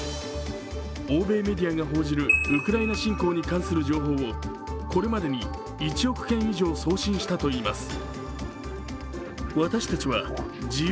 欧米メディアが報じる、ウクライナ侵攻に関する情報をこれまでに１億件以上送信したといいます。